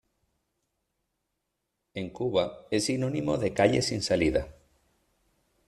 En Cuba, es sinónimo de calle sin salida.